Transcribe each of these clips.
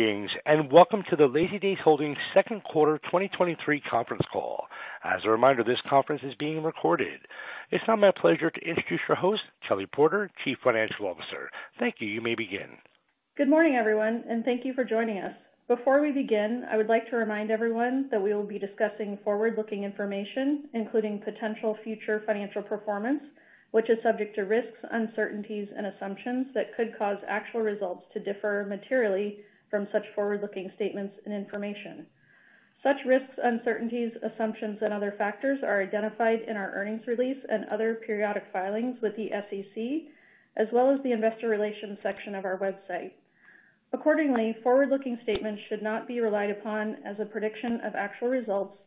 Greetings, and welcome to the Lazydays Holdings second quarter 2023 conference call. As a reminder, this conference is being recorded. It's now my pleasure to introduce your host, Kelly Porter, Chief Financial Officer. Thank you. You may begin. Good morning, everyone, and thank you for joining us. Before we begin, I would like to remind everyone that we will be discussing forward-looking information, including potential future financial performance, which is subject to risks, uncertainties, and assumptions that could cause actual results to differ materially from such forward-looking statements and information. Such risks, uncertainties, assumptions, and other factors are identified in our earnings release and other periodic filings with the SEC, as well as the investor relations section of our website. Accordingly, forward-looking statements should not be relied upon as a prediction of actual results,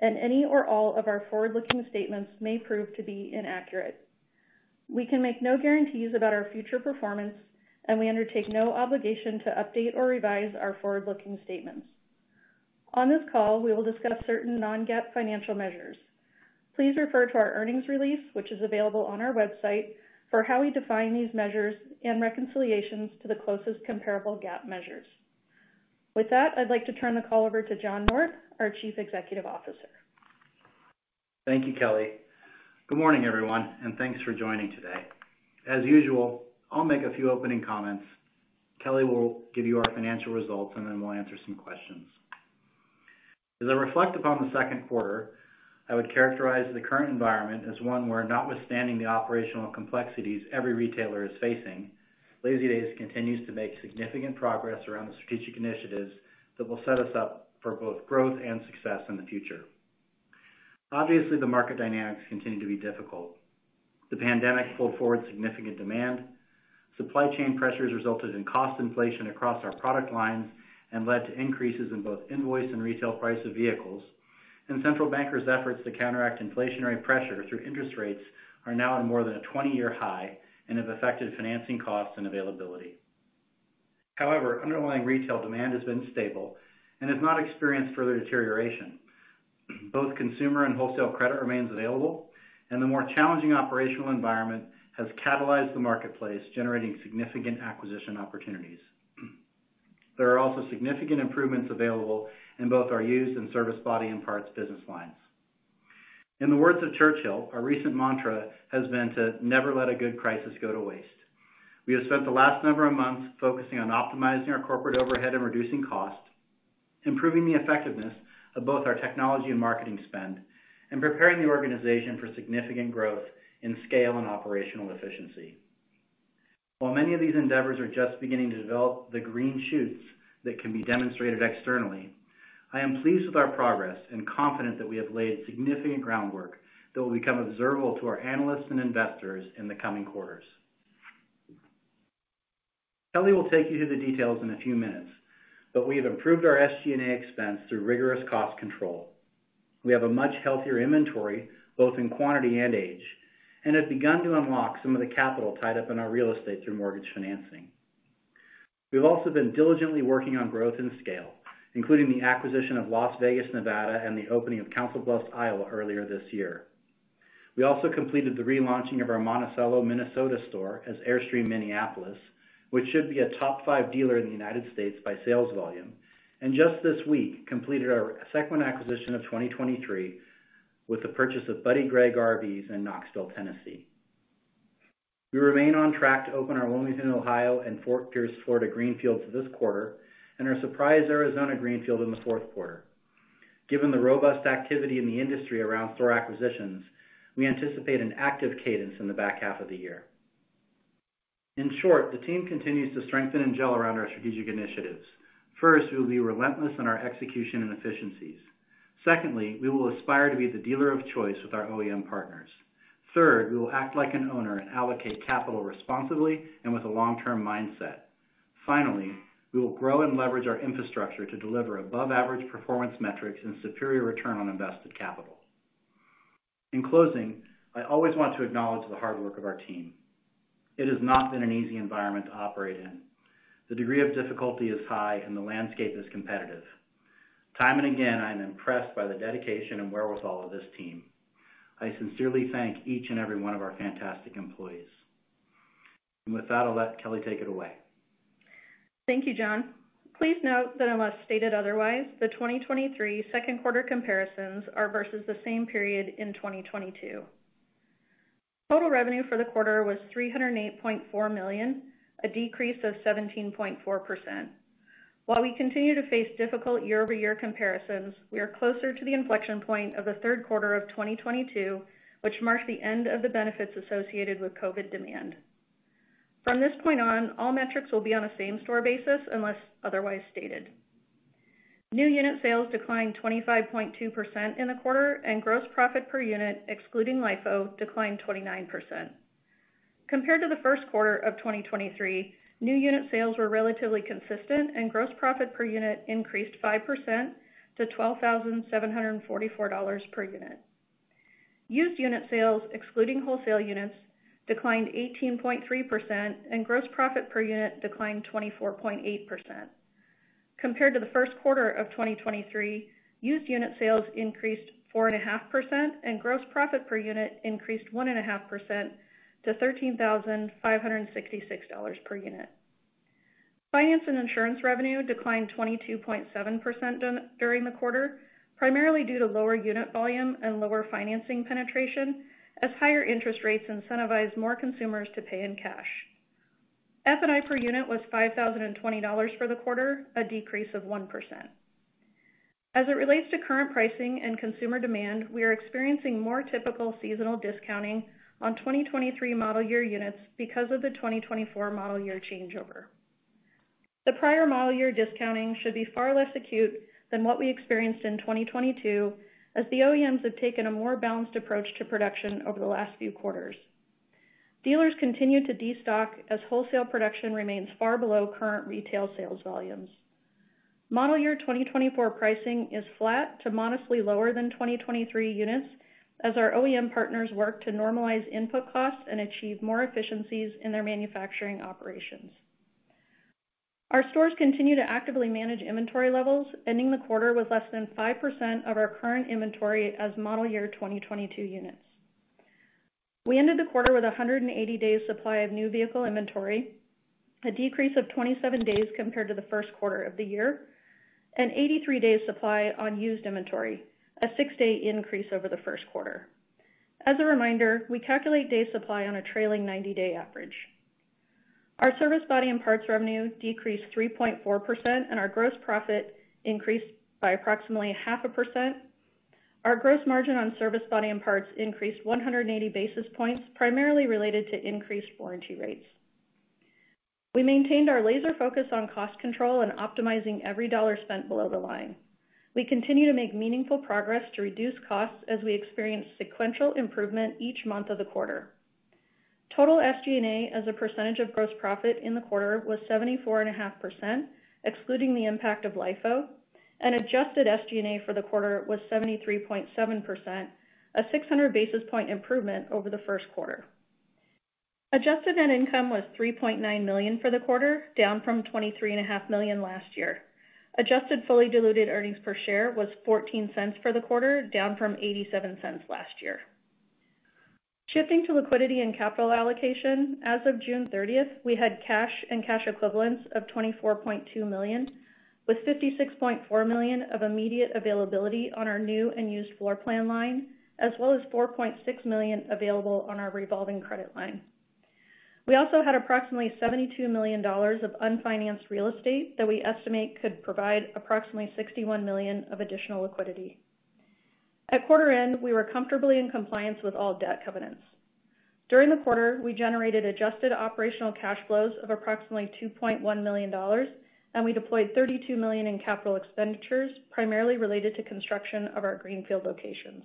and any or all of our forward-looking statements may prove to be inaccurate. We can make no guarantees about our future performance, and we undertake no obligation to update or revise our forward-looking statements. On this call, we will discuss certain non-GAAP financial measures. Please refer to our earnings release, which is available on our website, for how we define these measures and reconciliations to the closest comparable GAAP measures. With that, I'd like to turn the call over to John North, our chief executive officer. Thank you, Kelly. Good morning, everyone, and thanks for joining today. As usual, I'll make a few opening comments. Kelly will give you our financial results, and then we'll answer some questions. As I reflect upon the second quarter, I would characterize the current environment as one where, notwithstanding the operational complexities every retailer is facing, Lazydays continues to make significant progress around the strategic initiatives that will set us up for both growth and success in the future. Obviously, the market dynamics continue to be difficult. The pandemic pulled forward significant demand. Supply chain pressures resulted in cost inflation across our product lines and led to increases in both invoice and retail price of vehicles. Central bankers' efforts to counteract inflationary pressure through interest rates are now at more than a 20-year high and have affected financing costs and availability. However, underlying retail demand has been stable and has not experienced further deterioration. Both consumer and wholesale credit remains available, and the more challenging operational environment has catalyzed the marketplace, generating significant acquisition opportunities. There are also significant improvements available in both our used and service, body and parts business lines. In the words of Churchill, our recent mantra has been to, "Never let a good crisis go to waste." We have spent the last number of months focusing on optimizing our corporate overhead and reducing costs, improving the effectiveness of both our technology and marketing spend, and preparing the organization for significant growth in scale and operational efficiency. While many of these endeavors are just beginning to develop the green shoots that can be demonstrated externally, I am pleased with our progress and confident that we have laid significant groundwork that will become observable to our analysts and investors in the coming quarters. Kelly will take you through the details in a few minutes, but we have improved our SG&A expense through rigorous cost control. We have a much healthier inventory, both in quantity and age, and have begun to unlock some of the capital tied up in our real estate through mortgage financing. We've also been diligently working on growth and scale, including the acquisition of Las Vegas, Nevada, and the opening of Council Bluffs, Iowa, earlier this year. We also completed the relaunching of our Monticello, Minnesota, store as Airstream Minneapolis, which should be a top five dealer in the United States by sales volume, and just this week, completed our second acquisition of 2023 with the purchase of Buddy Gregg RVs in Knoxville, Tennessee. We remain on track to open our Wilmington, Ohio, and Fort Pierce, Florida, greenfields this quarter and our Surprise, Arizona, greenfield in the fourth quarter. Given the robust activity in the industry around store acquisitions, we anticipate an active cadence in the back half of the year. In short, the team continues to strengthen and gel around our strategic initiatives. First, we will be relentless in our execution and efficiencies. Secondly, we will aspire to be the dealer of choice with our OEM partners. Third, we will act like an owner and allocate capital responsibly and with a long-term mindset. Finally, we will grow and leverage our infrastructure to deliver above-average performance metrics and superior return on invested capital. In closing, I always want to acknowledge the hard work of our team. It has not been an easy environment to operate in. The degree of difficulty is high, and the landscape is competitive. Time and again, I am impressed by the dedication and wherewithal of this team. I sincerely thank each and every one of our fantastic employees. With that, I'll let Kelly take it away. Thank you, John. Please note that unless stated otherwise, the 2023 second quarter comparisons are versus the same period in 2022. Total revenue for the quarter was $308.4 million, a decrease of 17.4%. While we continue to face difficult year-over-year comparisons, we are closer to the inflection point of the third quarter of 2022, which marked the end of the benefits associated with COVID demand. From this point on, all metrics will be on a same-store basis, unless otherwise stated. New unit sales declined 25.2% in the quarter, and gross profit per unit, excluding LIFO, declined 29%. Compared to the first quarter of 2023, new unit sales were relatively consistent, and gross profit per unit increased 5% to $12,744 per unit. Used unit sales, excluding wholesale units, declined 18.3%, and gross profit per unit declined 24.8%. Compared to the first quarter of 2023, used unit sales increased 4.5%, and gross profit per unit increased 1.5% to $13,566 per unit. Finance and insurance revenue declined 22.7% during the quarter, primarily due to lower unit volume and lower financing penetration, as higher interest rates incentivize more consumers to pay in cash. F&I per unit was $5,020 for the quarter, a decrease of 1%. As it relates to current pricing and consumer demand, we are experiencing more typical seasonal discounting on 2023 model year units because of the 2024 model year changeover. The prior model year discounting should be far less acute than what we experienced in 2022, as the OEMs have taken a more balanced approach to production over the last few quarters. Dealers continue to destock as wholesale production remains far below current retail sales volumes. Model year 2024 pricing is flat to modestly lower than 2023 units, as our OEM partners work to normalize input costs and achieve more efficiencies in their manufacturing operations. Our stores continue to actively manage inventory levels, ending the quarter with less than 5% of our current inventory as model year 2022 units. We ended the quarter with 180 days supply of new vehicle inventory, a decrease of 27 days compared to the first quarter of the year, and 83 days supply on used inventory, a six-day increase over the first quarter. As a reminder, we calculate days supply on a trailing 90-day average. Our service, body and parts revenue decreased 3.4%. Our gross profit increased by approximately 0.5%. Our gross margin on service, body and parts increased 180 basis points, primarily related to increased warranty rates. We maintained our laser focus on cost control and optimizing every dollar spent below the line. We continue to make meaningful progress to reduce costs as we experience sequential improvement each month of the quarter. Total SG&A, as a percentage of gross profit in the quarter, was 74.5%, excluding the impact of LIFO. Adjusted SG&A for the quarter was 73.7%, a 600 basis point improvement over the first quarter. Adjusted net income was $3.9 million for the quarter, down from $23.5 million last year. Adjusted fully diluted earnings per share was $0.14 for the quarter, down from $0.87 last year. Shifting to liquidity and capital allocation, as of June 30th, we had cash and cash equivalents of $24.2 million, with $56.4 million of immediate availability on our new and used floor plan line, as well as $4.6 million available on our revolving credit line. We also had approximately $72 million of unfinanced real estate that we estimate could provide approximately $61 million of additional liquidity. At quarter end, we were comfortably in compliance with all debt covenants. During the quarter, we generated adjusted operational cash flows of approximately $2.1 million, and we deployed $32 million in capital expenditures, primarily related to construction of our greenfield locations.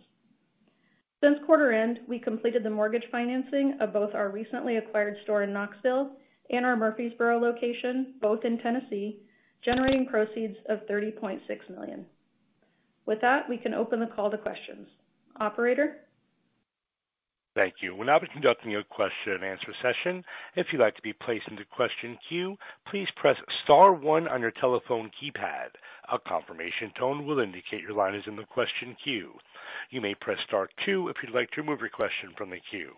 Since quarter end, we completed the mortgage financing of both our recently acquired store in Knoxville and our Murfreesboro location, both in Tennessee, generating proceeds of $30.6 million. With that, we can open the call to questions. Operator? Thank you. We'll now be conducting a question-and-answer session. If you'd like to be placed into question queue, please press star one on your telephone keypad. A confirmation tone will indicate your line is in the question queue. You may press star two if you'd like to remove your question from the queue.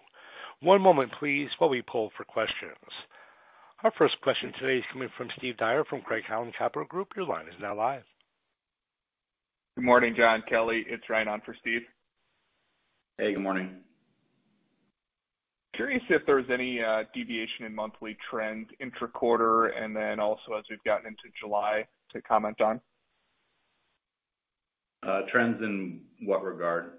One moment, please, while we pull for questions. Our first question today is coming from Steve Dyer from Craig-Hallum Capital Group. Your line is now live. Good morning, John, Kelly. It's Ryan on for Steve. Hey, good morning. Curious if there's any deviation in monthly trends intra-quarter, and then also as we've gotten into July, to comment on? Trends in what regard?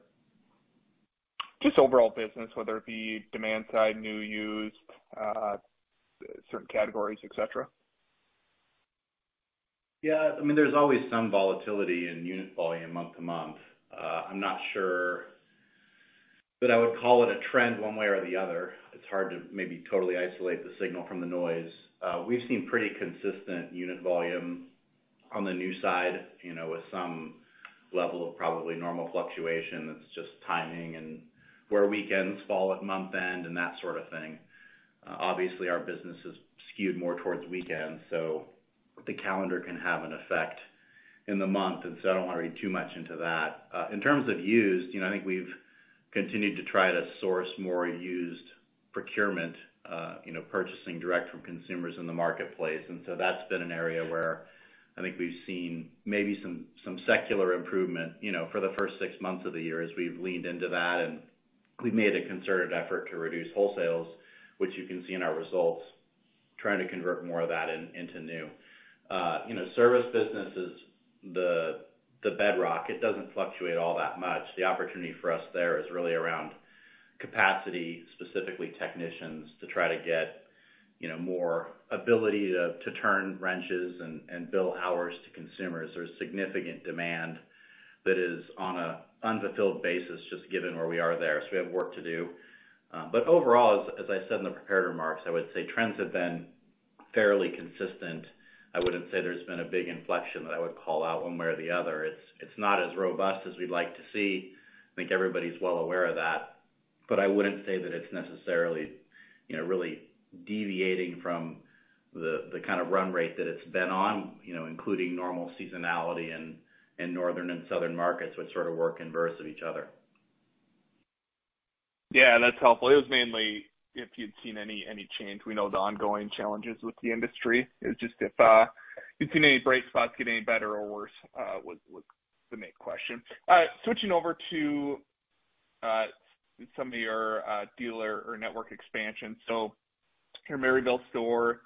Just overall business, whether it be demand side, new, used, certain categories, et cetera. Yeah, I mean, there's always some volatility in unit volume month-to-month. I'm not sure that I would call it a trend one way or the other. It's hard to maybe totally isolate the signal from the noise. We've seen pretty consistent unit volume on the new side, you know, with some level of probably normal fluctuation. It's just timing and where weekends fall at month-end and that sort of thing. Obviously, our business is skewed more towards weekends, so the calendar can have an effect in the month, and so I don't want to read too much into that. In terms of used, you know, I think we've continued to try to source more used procurement, purchasing direct from consumers in the marketplace. That's been an area where I think we've seen maybe some, some secular improvement, you know, for the first six months of the year as we've leaned into that, and we've made a concerted effort to reduce wholesales, which you can see in our results, trying to convert more of that into new. You know, service business is the bedrock. It doesn't fluctuate all that much. The opportunity for us there is really around capacity, specifically technicians, to try to get, you know, more ability to turn wrenches and bill hours to consumers. There's significant demand that is on a unfulfilled basis, just given where we are there, so we have work to do. Overall, as I said in the prepared remarks, I would say trends have been fairly consistent. I wouldn't say there's been a big inflection that I would call out one way or the other. It's not as robust as we'd like to see. I think everybody's well aware of that. I wouldn't say that it's necessarily, you know, really deviating from the, the kind of run rate that it's been on, you know, including normal seasonality in, in northern and southern markets, which sort of work inverse of each other. Yeah, that's helpful. It was mainly if you'd seen any, any change. We know the ongoing challenges with the industry. It was just if you'd seen any bright spots get any better or worse, was the main question. Switching over to some of your dealer or network expansion. Your Maryville store,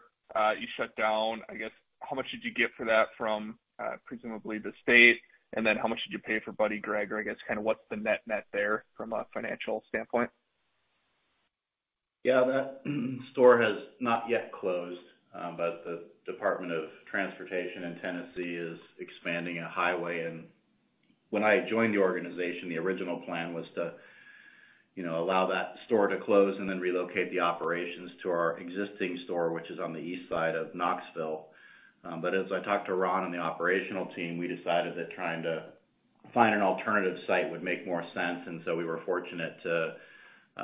you shut down. I guess, how much did you get for that from, presumably the state? Then how much did you pay for Buddy Gregg? I guess, kind of what's the net-net there from a financial standpoint? Yeah, that store has not yet closed, but the Tennessee Department of Transportation is expanding a highway. When I joined the organization, the original plan was to, you know, allow that store to close and then relocate the operations to our existing store, which is on the east side of Knoxville. As I talked to Ron and the operational team, we decided that trying to find an alternative site would make more sense, and so we were fortunate to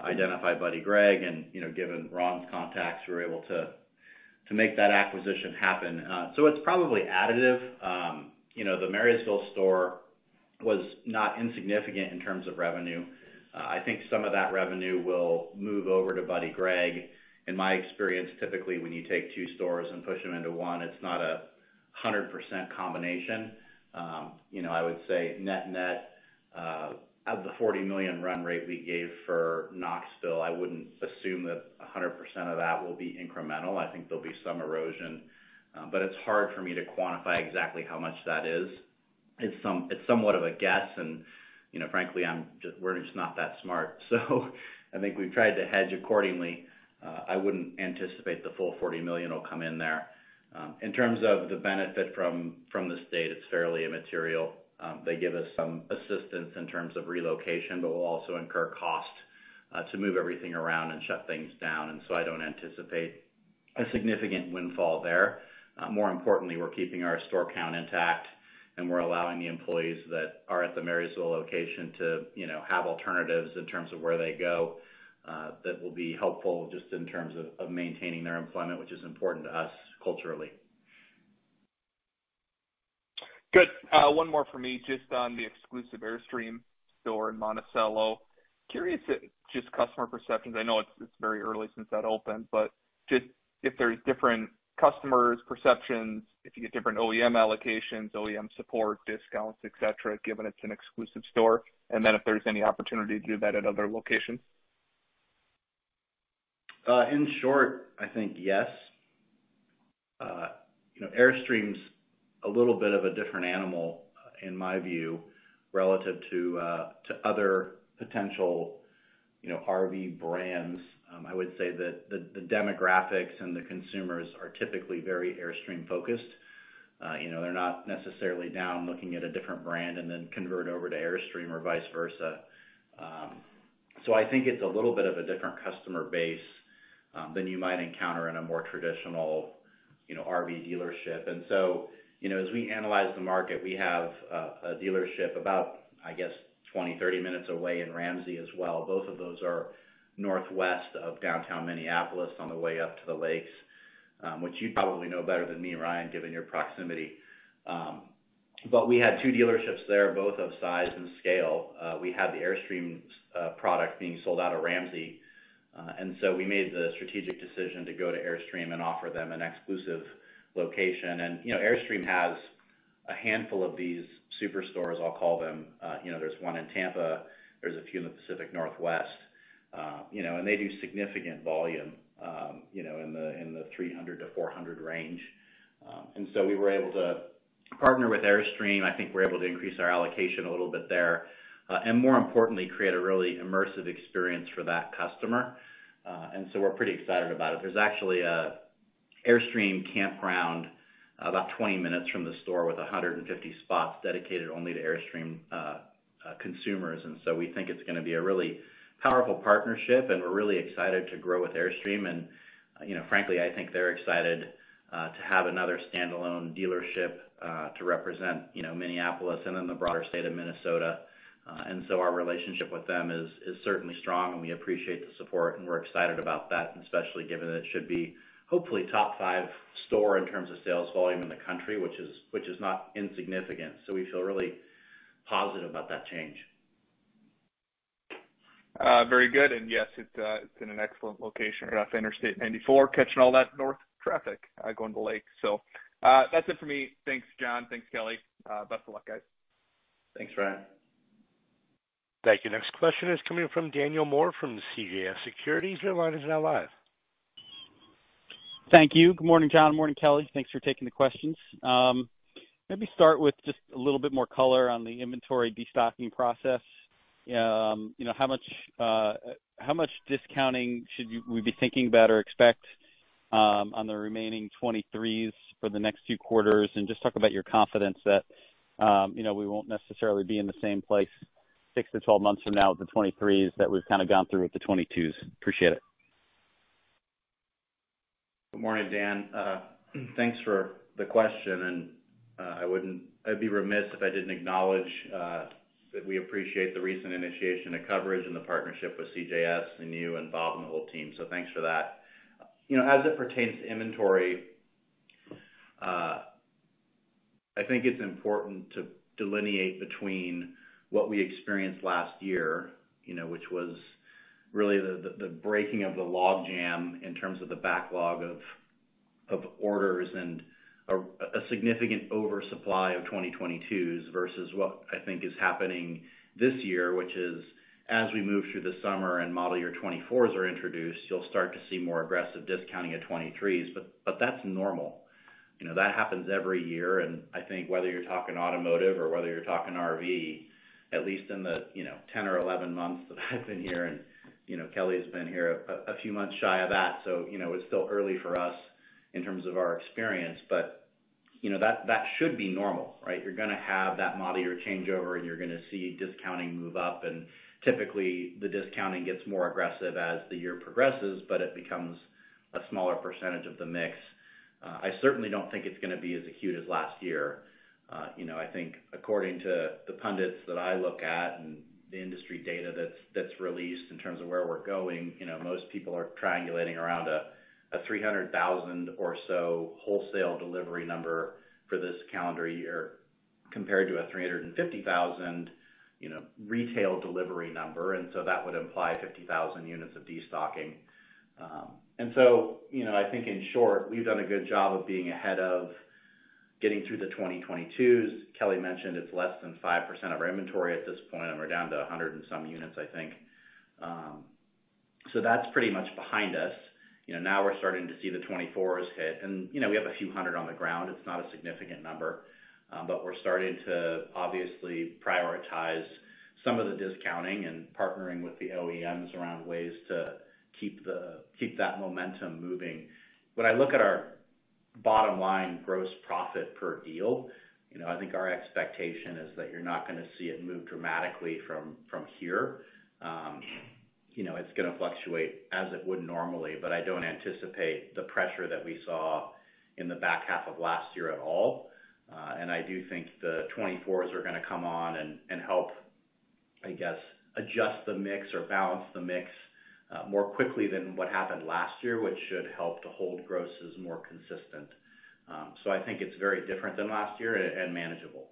identify Buddy Gregg. You know, given Ron's contacts, we were able to, to make that acquisition happen. It's probably additive. You know, the Maryville store was not insignificant in terms of revenue. I think some of that revenue will move over to Buddy Gregg. In my experience, typically, when you take two stores and push them into one, it's not a 100% combination. You know, I would say net-net, of the $40 million run rate we gave for Knoxville, I wouldn't assume that 100% of that will be incremental. I think there'll be some erosion, but it's hard for me to quantify exactly how much that is. It's somewhat of a guess, and, you know, frankly, we're just not that smart. I think we've tried to hedge accordingly. I wouldn't anticipate the full $40 million will come in there. In terms of the benefit from the state, it's fairly immaterial. They give us some assistance in terms of relocation, but we'll also incur costs to move everything around and shut things down, and so I don't anticipate a significant windfall there. More importantly, we're keeping our store count intact, and we're allowing the employees that are at the Maryville location to, you know, have alternatives in terms of where they go. That will be helpful just in terms of, of maintaining their employment, which is important to us culturally. Good. One more for me, just on the exclusive Airstream store in Monticello. Curious, just customer perceptions, I know it's, it's very early since that opened, but just if there's different customers' perceptions, if you get different OEM allocations, OEM support, discounts, et cetera, given it's an exclusive store, and then if there's any opportunity to do that at other locations? In short, I think, yes. You know, Airstream's a little bit of a different animal, in my view, relative to other potential, you know, RV brands. I would say that the, the demographics and the consumers are typically very Airstream-focused. You know, they're not necessarily down looking at a different brand and then convert over to Airstream or vice versa. So I think it's a little bit of a different customer base than you might encounter in a more traditional, you know, RV dealership. You know, as we analyze the market, we have a dealership about, I guess, 20, 30 minutes away in Ramsey as well. Both of those are northwest of downtown Minneapolis on the way up to the lakes, which you probably know better than me, Ryan, given your proximity. We had two dealerships there, both of size and scale. We had the Airstream product being sold out of Ramsey. We made the strategic decision to go to Airstream and offer them an exclusive location. You know, Airstream has a handful of these superstores, I'll call them. You know, there's one in Tampa, there's a few in the Pacific Northwest. You know, and they do significant volume, you know, in the 300-400 range. We were able to partner with Airstream. I think we're able to increase our allocation a little bit there, and more importantly, create a really immersive experience for that customer. We're pretty excited about it. There's actually a Airstream campground about 20 minutes from the store with 150 spots dedicated only to Airstream consumers. We think it's gonna be a really powerful partnership, and we're really excited to grow with Airstream. You know, frankly, I think they're excited to have another standalone dealership to represent, you know, Minneapolis and then the broader state of Minnesota. Our relationship with them is, is certainly strong, and we appreciate the support, and we're excited about that, especially given that it should be hopefully top five store in terms of sales volume in the country, which is, which is not insignificant. We feel really positive about that change. Very good. Yes, it's in an excellent location off Interstate 94, catching all that north traffic, going to the lake. That's it for me. Thanks, John, thanks, Kelly. Best of luck, guys. Thanks, Ryan. Thank you. Next question is coming from Daniel Moore from CJS Securities. Your line is now live. Thank you. Good morning, John, morning, Kelly. Thanks for taking the questions. Maybe start with just a little bit more color on the inventory destocking process. You know, how much discounting should we be thinking about or expect on the remaining 2023s for the next few quarters? Just talk about your confidence that, you know, we won't necessarily be in the same place six to 12 months from now with the 2023s that we've kind of gone through with the 2022s. Appreciate it. Good morning, Dan. Thanks for the question, and I wouldn't, I'd be remiss if I didn't acknowledge that we appreciate the recent initiation of coverage and the partnership with CJS and you and Bob and the whole team, so thanks for that. You know, as it pertains to inventory, I think it's important to delineate between what we experienced last year, you know, which was really the, the, the breaking of the logjam in terms of the backlog of, of orders and a significant oversupply of 2022s versus what I think is happening this year, which is, as we move through the summer and model year 2024s are introduced, you'll start to see more aggressive discounting of 2023s. That's normal. You know, that happens every year. I think whether you're talking automotive or whether you're talking RV, at least in the, you know, 10 or 11 months that I've been here, and, you know, Kelly has been here a few months shy of that, so, you know, it's still early for us in terms of our experience. You know, that, that should be normal, right? You're gonna have that model year changeover, and you're gonna see discounting move up, and typically, the discounting gets more aggressive as the year progresses, but it becomes a smaller percentage of the mix. I certainly don't think it's gonna be as acute as last year. You know, I think according to the pundits that I look at and the industry data that's, that's released in terms of where we're going, you know, most people are triangulating around a 300,000 or so wholesale delivery number for this calendar year, compared to a 350,000, you know, retail delivery number. So that would imply 50,000 units of destocking. So, you know, I think, in short, we've done a good job of being ahead of getting through the 2022s. Kelly mentioned it's less than 5% of our inventory at this point, and we're down to 100 and some units, I think. So that's pretty much behind us. You know, now we're starting to see the 2024s hit. You know, we have a few hundred on the ground. It's not a significant number. We're starting to obviously prioritize some of the discounting and partnering with the OEMs around ways to keep that momentum moving. When I look at our bottom line, gross profit per deal, you know, I think our expectation is that you're not gonna see it move dramatically from, from here. You know, it's gonna fluctuate as it would normally, but I don't anticipate the pressure that we saw in the back half of last year at all. I do think the 2024s are gonna come on and help, I guess, adjust the mix or balance the mix more quickly than what happened last year, which should help to hold grosses more consistent. I think it's very different than last year and manageable.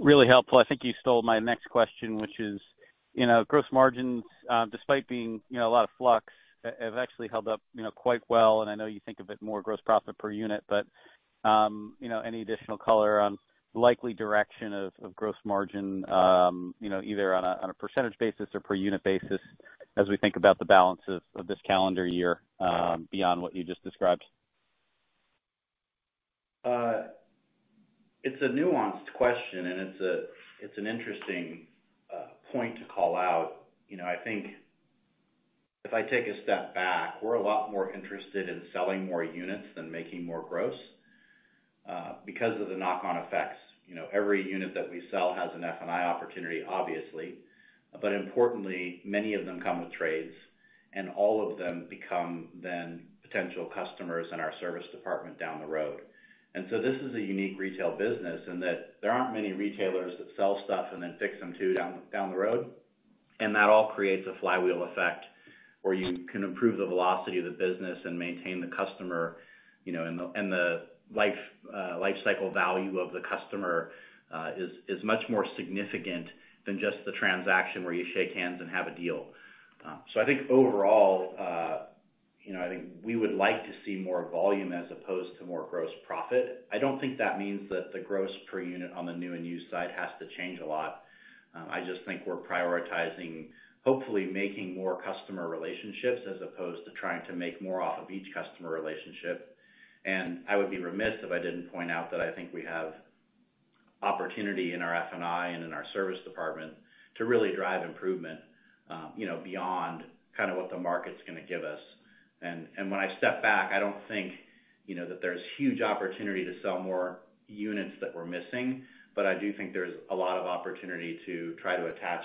Really helpful. I think you stole my next question, which is, you know, gross margins, despite being, you know, a lot of flux, have, have actually held up, you know, quite well, and I know you think of it more gross profit per unit, but, you know, any additional color on the likely direction of, of gross margin, you know, either on a, on a percentage basis or per unit basis, as we think about the balances of this calendar year, beyond what you just described? It's a nuanced question, and it's an interesting point to call out. You know, I think if I take a step back, we're a lot more interested in selling more units than making more gross because of the knock-on effects. You know, every unit that we sell has an F&I opportunity, obviously, but importantly, many of them come with trades, and all of them become then potential customers in our service department down the road. So this is a unique retail business, in that there aren't many retailers that sell stuff and then fix them, too, down, down the road. That all creates a flywheel effect, where you can improve the velocity of the business and maintain the customer, you know, and the, and the life, life cycle value of the customer, is, is much more significant than just the transaction where you shake hands and have a deal. I think overall, you know, I think we would like to see more volume as opposed to more gross profit. I don't think that means that the gross per unit on the new and used side has to change a lot. I just think we're prioritizing, hopefully making more customer relationships as opposed to trying to make more off of each customer relationship. I would be remiss if I didn't point out that I think we have opportunity in our F&I and in our service department to really drive improvement, you know, beyond kind of what the market's gonna give us. When I step back, I don't think, you know, that there's huge opportunity to sell more units that we're missing, but I do think there's a lot of opportunity to try to attach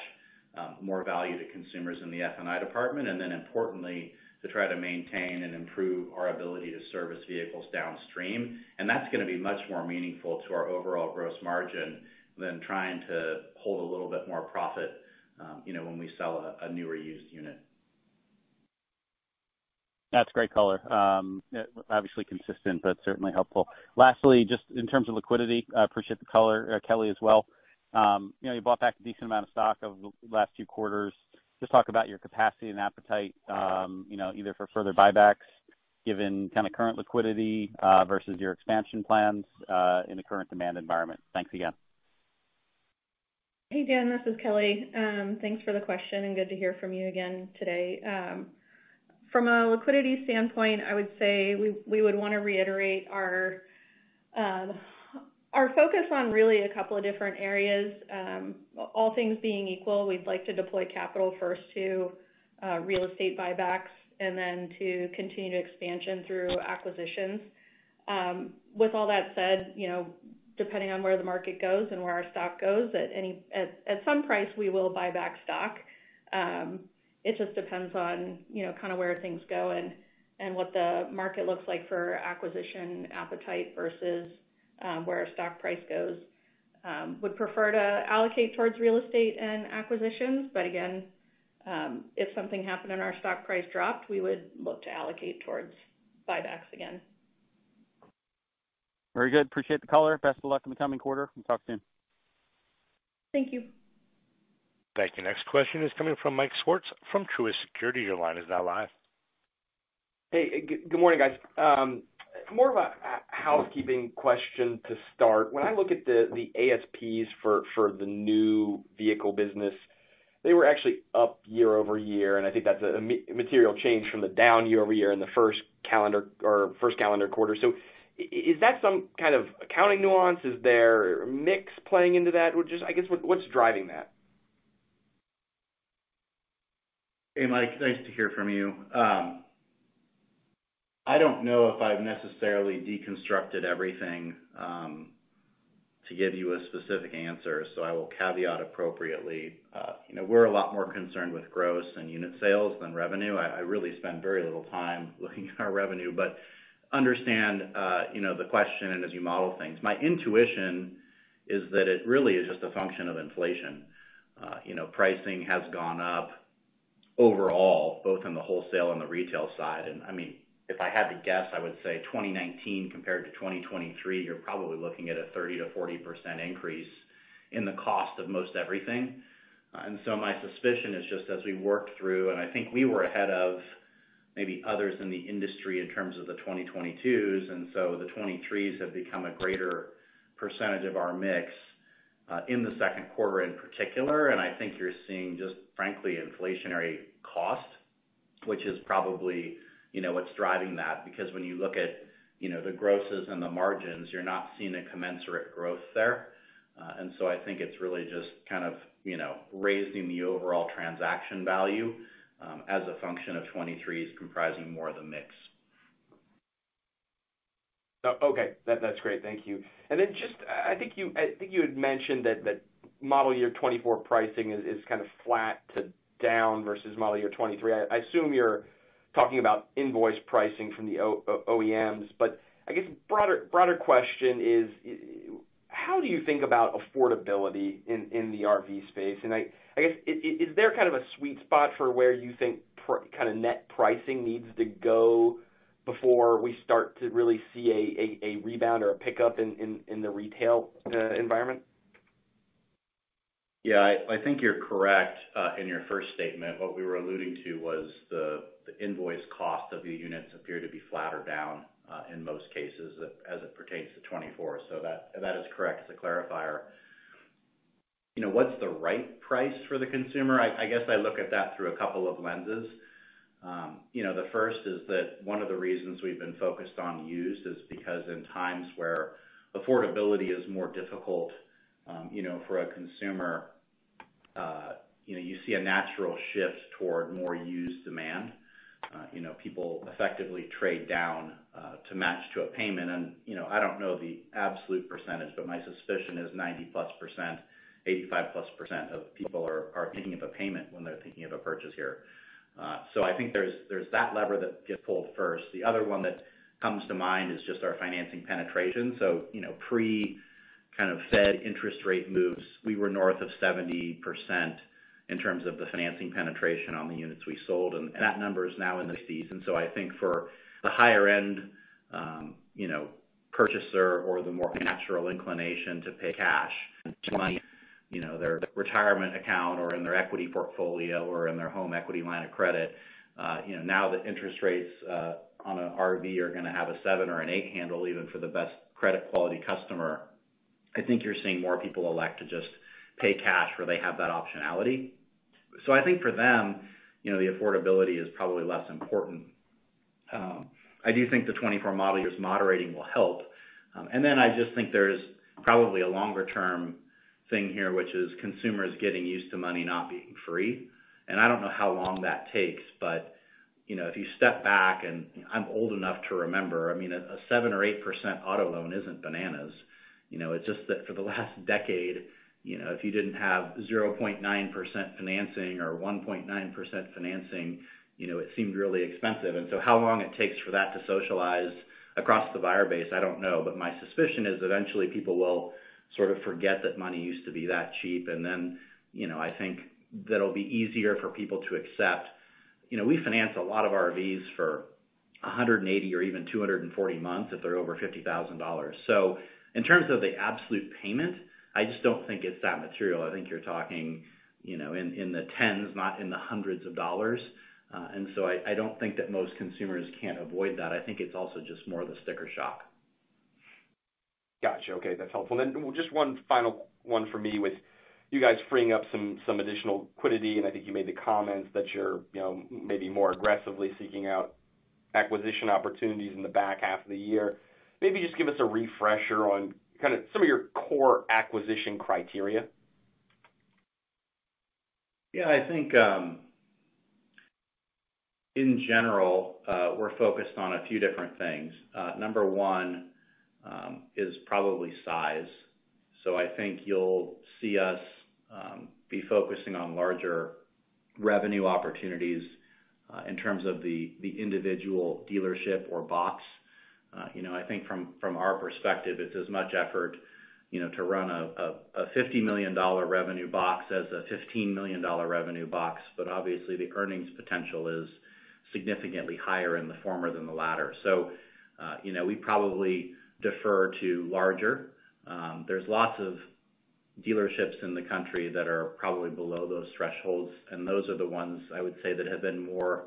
more value to consumers in the F&I department, and then importantly, to try to maintain and improve our ability to service vehicles downstream. That's gonna be much more meaningful to our overall gross margin than trying to hold a little bit more profit, you know, when we sell a, a new or used unit. That's great color. Obviously consistent, but certainly helpful. Lastly, just in terms of liquidity, I appreciate the color, Kelly, as well. You know, you bought back a decent amount of stock over the last few quarters. Just talk about your capacity and appetite, you know, either for further buybacks, given kind of current liquidity, versus your expansion plans, in the current demand environment. Thanks again. Hey, Dan, this is Kelly. Thanks for the question, and good to hear from you again today. From a liquidity standpoint, I would say we, we would want to reiterate our, our focus on really a couple of different areas. All things being equal, we'd like to deploy capital first to real estate buybacks, and then to continue to expansion through acquisitions. With all that said, you know, depending on where the market goes and where our stock goes, at any at some price, we will buy back stock. It just depends on, you know, kind of where things go and, and what the market looks like for acquisition appetite versus where our stock price goes. Would prefer to allocate towards real estate and acquisitions, but again, if something happened and our stock price dropped, we would look to allocate towards buybacks again. Very good. Appreciate the color. Best of luck in the coming quarter, and talk soon. Thank you. Thank you. Next question is coming from Mike Swartz from Truist Securities. Your line is now live. Hey, good morning, guys. More of a housekeeping question to start. When I look at the, the ASPs for, for the new vehicle business, they were actually up year-over-year, and I think that's a material change from the down year-over-year in the first calendar quarter. Is that some kind of accounting nuance? Is there mix playing into that? Which is, I guess, what, what's driving that? Hey, Mike, nice to hear from you. I don't know if I've necessarily deconstructed everything, to give you a specific answer, so I will caveat appropriately. You know, we're a lot more concerned with gross and unit sales than revenue. I, I really spend very little time looking at our revenue, but understand, you know, the question and as you model things. My intuition is that it really is just a function of inflation. You know, pricing has gone up overall, both on the wholesale and the retail side. I mean, if I had to guess, I would say 2019 compared to 2023, you're probably looking at a 30%-40% increase in the cost of most everything. My suspicion is just as we work through, and I think we were ahead of maybe others in the industry in terms of the 2022s, the 2023s have become a greater percentage of our mix in the second quarter in particular. I think you're seeing just, frankly, inflationary costs, which is probably, you know, what's driving that. Because when you look at, you know, the grosses and the margins, you're not seeing a commensurate growth there. I think it's really just kind of, you know, raising the overall transaction value as a function of 2023s comprising more of the mix. Oh, okay. That, that's great. Thank you. Then just, I think you, I think you had mentioned that, that model year 2024 pricing is, is kind of flat to down versus model year 2023. I, I assume you're talking about invoice pricing from the OEMs. I guess broader, broader question is, how do you think about affordability in, in the RV space? I, I guess, is there kind of a sweet spot for where you think kind of net pricing needs to go before we start to really see a, a, a rebound or a pickup in, in, in the retail environment? Yeah, I, I think you're correct in your first statement. What we were alluding to was the, the invoice cost of the units appear to be flat or down in most cases as it pertains to 2024. That, that is correct as a clarifier. You know, what's the right price for the consumer? I, I guess I look at that through a couple of lenses. You know, the first is that one of the reasons we've been focused on used is because in times where affordability is more difficult, you know, for a consumer, you know, you see a natural shift toward more used demand. You know, people effectively trade down to match to a payment. You know, I don't know the absolute percentage, but my suspicion is 90%+, 85%+ of people are, are thinking of a payment when they're thinking of a purchase here. I think there's, there's that lever that gets pulled first. The other one that comes to mind is just our financing penetration. You know, pre kind of Fed interest rate moves, we were north of 70% in terms of the financing penetration on the units we sold, and that number is now in the 60s. I think for the higher end, you know, purchaser or the more natural inclination to pay cash, money, you know, their retirement account or in their equity portfolio or in their home equity line of credit, you know, now that interest rates on an RV are gonna have a seven or an eight handle, even for the best credit quality customer, I think you're seeing more people elect to just pay cash where they have that optionality. I think for them, you know, the affordability is probably less important. I do think the 2024 model year's moderating will help. Then I just think there's probably a longer-term thing here, which is consumers getting used to money not being free. I don't know how long that takes, but, you know, if you step back, and I'm old enough to remember, I mean, a, a 7% or 8% auto loan isn't bananas. You know, it's just that for the last decade, you know, if you didn't have 0.9% financing or 1.9% financing, you know, it seemed really expensive. So how long it takes for that to socialize across the buyer base, I don't know. My suspicion is eventually people will sort of forget that money used to be that cheap, and then, you know, I think that'll be easier for people to accept. You know, we finance a lot of RVs for 180 or even 240 months if they're over $50,000. In terms of the absolute payment, I just don't think it's that material. I think you're talking, you know, in, in the $10s, not in the $100s. I, I don't think that most consumers can't avoid that. I think it's also just more of the sticker shock. Gotcha. Okay, that's helpful. Then just one final one for me. With you guys freeing up some, some additional liquidity, and I think you made the comments that you're, you know, maybe more aggressively seeking out acquisition opportunities in the back half of the year. Maybe just give us a refresher on kind of some of your core acquisition criteria? Yeah, I think, in general, we're focused on a few different things. Number one is probably size. I think you'll see us be focusing on larger revenue opportunities in terms of the individual dealership or box. You know, I think from our perspective, it's as much effort, you know, to run a $50 million revenue box as a $15 million revenue box. But obviously, the earnings potential is significantly higher in the former than the latter. You know, we probably defer to larger. There's lots of dealerships in the country that are probably below those thresholds, and those are the ones I would say that have been more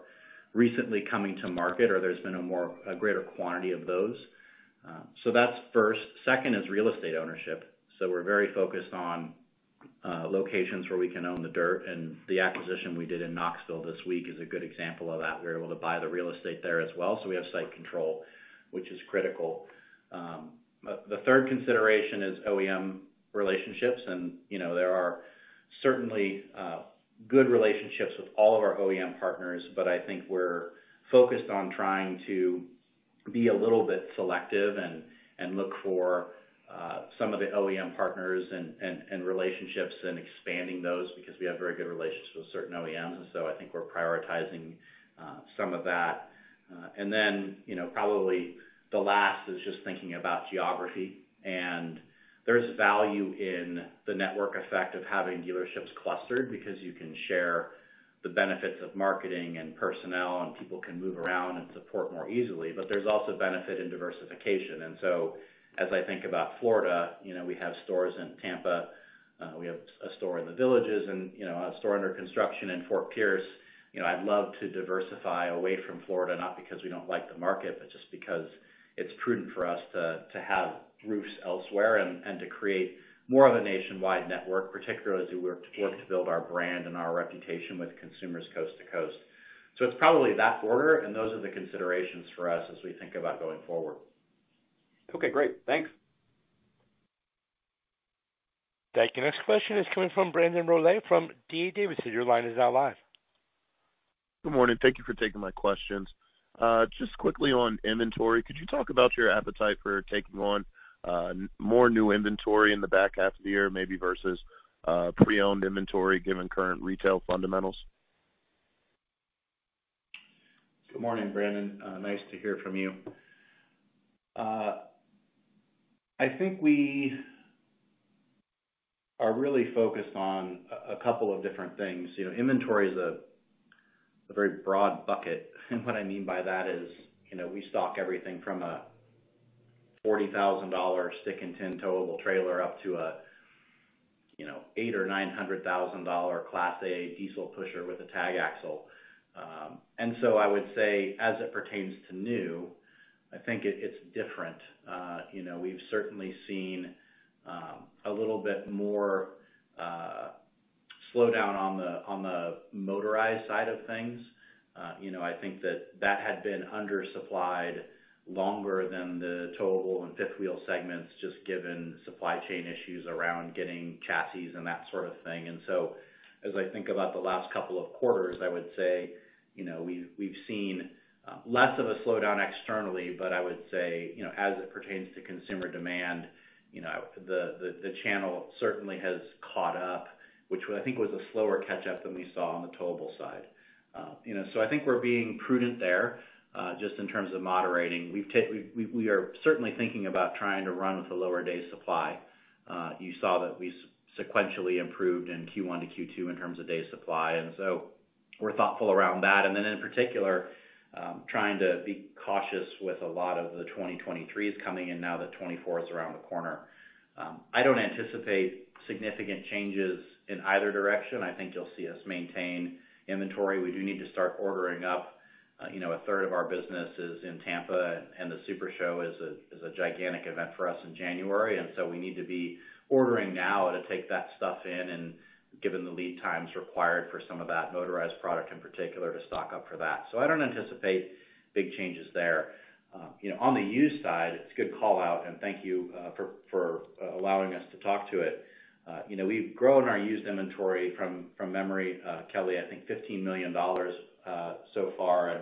recently coming to market, or there's been a more, a greater quantity of those. That's first. Second is real estate ownership. We're very focused on locations where we can own the dirt, and the acquisition we did in Knoxville this week is a good example of that. We were able to buy the real estate there as well, so we have site control, which is critical. The third consideration is OEM relationships. You know, there are certainly good relationships with all of our OEM partners, but I think we're focused on trying to be a little bit selective and look for some of the OEM partners and relationships and expanding those, because we have very good relationships with certain OEMs, and so I think we're prioritizing some of that. You know, probably the last is just thinking about geography. There's value in the network effect of having dealerships clustered, because you can share the benefits of marketing and personnel, and people can move around and support more easily. There's also benefit in diversification. As I think about Florida, you know, we have stores in Tampa, we have a store in The Villages and, you know, a store under construction in Fort Pierce. You know, I'd love to diversify away from Florida, not because we don't like the market, but just because it's prudent for us to, to have roofs elsewhere and, and to create more of a nationwide network, particularly as we work, work to build our brand and our reputation with consumers coast to coast. It's probably that order, and those are the considerations for us as we think about going forward. Okay, great. Thanks. Thank you. Next question is coming from Brandon Rollé from D.A. Davidson. Your line is now live. Good morning. Thank you for taking my questions. Just quickly on inventory, could you talk about your appetite for taking on more new inventory in the back half of the year, maybe versus pre-owned inventory, given current retail fundamentals? Good morning, Brandon. Nice to hear from you. I think we are really focused on a couple of different things. You know, inventory is a very broad bucket, and what I mean by that is, you know, we stock everything from a $40,000 stick-and-tin towable trailer up to a, you know, $800,000-$900,000 Class A diesel pusher with a tag axle. I would say, as it pertains to new, I think it, it's different. You know, we've certainly seen a little bit more slowdown on the motorized side of things. You know, I think that that had been undersupplied longer than the towable and fifth wheel segments, just given supply chain issues around getting chassis and that sort of thing. As I think about the last couple of quarters, I would say, you know, we've, we've seen less of a slowdown externally, but I would say, you know, as it pertains to consumer demand, you know, the, the, the channel certainly has caught up, which I think was a slower catch-up than we saw on the towable side. You know, so I think we're being prudent there just in terms of moderating. We, we are certainly thinking about trying to run with a lower day supply. You saw that we sequentially improved in Q1 -Q2 in terms of day supply, and so we're thoughtful around that. In particular, trying to be cautious with a lot of the 2023s coming in now that 2024 is around the corner. I don't anticipate significant changes in either direction. I think you'll see us maintain inventory. We do need to start ordering up. you know, a third of our business is in Tampa, the Super Show is a gigantic event for us in January. We need to be ordering now to take that stuff in and given the lead times required for some of that motorized product, in particular, to stock up for that. I don't anticipate big changes there. you know, on the used side, it's a good call out, and thank you, for allowing us to talk to it. You know, we've grown our used inventory from, from memory, Kelly, I think $15 million, so far.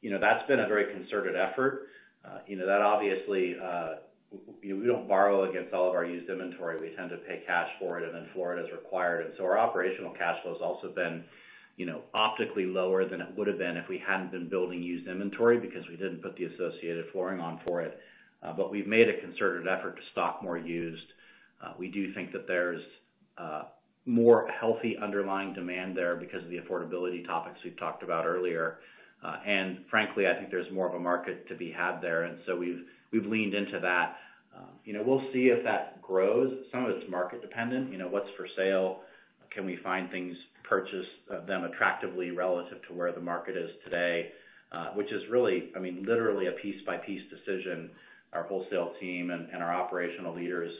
You know, that's been a very concerted effort. You know, that obviously, we don't borrow against all of our used inventory. We tend to pay cash for it, and then floor it as required. Our operational cash flow has also been, you know, optically lower than it would've been if we hadn't been building used inventory, because we didn't put the associated flooring on for it. We've made a concerted effort to stock more used. We do think that there's more healthy underlying demand there because of the affordability topics we've talked about earlier. Frankly, I think there's more of a market to be had there, so we've, we've leaned into that. You know, we'll see if that grows. Some of it's market dependent, you know, what's for sale? Can we find things, purchase them attractively relative to where the market is today? Which is really, I mean, literally a piece-by-piece decision. Our wholesale team and, and our operational leaders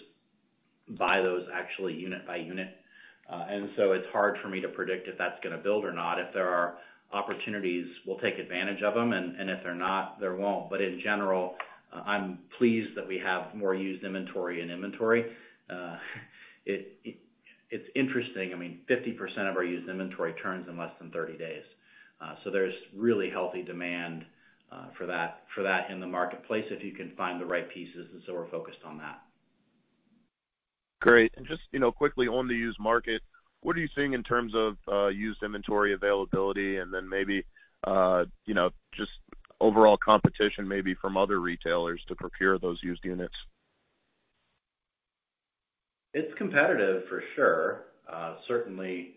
buy those actually unit by unit. So it's hard for me to predict if that's going to build or not. If there are opportunities, we'll take advantage of them, and, and if they're not, there won't. In general, I'm pleased that we have more used inventory in inventory. It's interesting, I mean, 50% of our used inventory turns in less than 30 days. There's really healthy demand for that, for that in the marketplace, if you can find the right pieces, and so we're focused on that. Great. Just, you know, quickly on the used market, what are you seeing in terms of used inventory availability and then maybe, you know, just overall competition, maybe from other retailers to procure those used units? It's competitive, for sure. Certainly,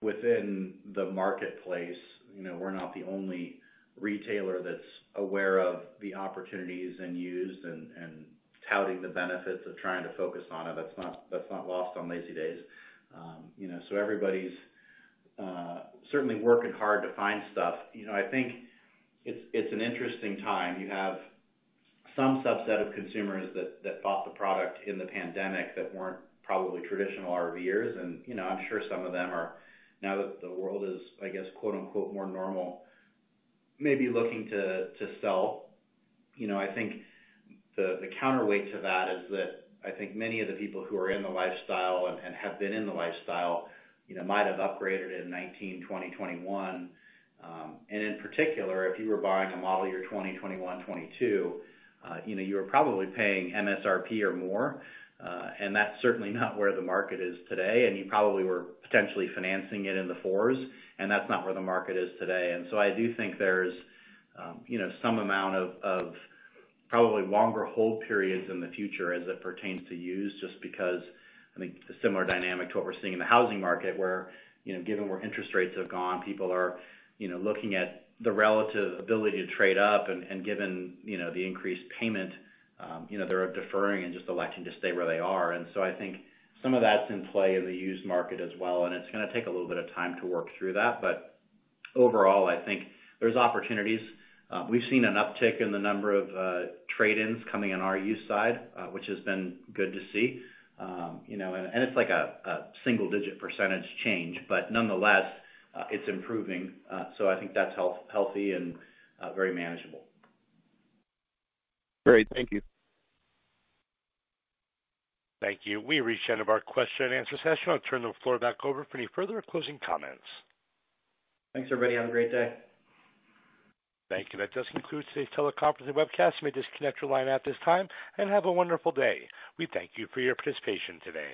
within the marketplace, you know, we're not the only retailer that's aware of the opportunities in used and, and touting the benefits of trying to focus on it. That's not, that's not lost on Lazydays. You know, everybody's certainly working hard to find stuff. You know, I think it's, it's an interesting time. You have some subset of consumers that, that bought the product in the pandemic that weren't probably traditional RVers. You know, I'm sure some of them are, now that the world is, I guess, quote, unquote, more normal, maybe looking to, to sell. You know, I think the, the counterweight to that is that I think many of the people who are in the lifestyle and, and have been in the lifestyle, you know, might have upgraded in 2019, 2020, 2021. In particular, if you were buying a model year 2020, 2021, 2022, you know, you were probably paying MSRP or more, and that's certainly not where the market is today, and you probably were potentially financing it in the 4s, and that's not where the market is today. do think there's, you know, some amount of, of probably longer hold periods in the future as it pertains to used, just because, I mean, a similar dynamic to what we're seeing in the housing market, where, you know, given where interest rates have gone, people are, you know, looking at the relative ability to trade up, and, and given, you know, the increased payment, you know, they're deferring and just electing to stay where they are. I think some of that's in play in the used market as well, and it's gonna take a little bit of time to work through that. Overall, I think there's opportunities. We've seen an uptick in the number of trade-ins coming in on our used side, which has been good to see. You know, and, and it's like a, a single-digit % change, but nonetheless, it's improving. I think that's health- healthy and very manageable. Great. Thank you. Thank you. We've reached the end of our question-and-answer session. I'll turn the floor back over for any further closing comments. Thanks, everybody. Have a great day. Thank you. That does conclude today's teleconference and webcast. You may disconnect your line at this time, and have a wonderful day. We thank you for your participation today.